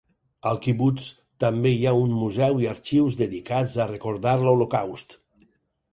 Al quibuts també hi ha un museu i arxius dedicats a recordar l'Holocaust.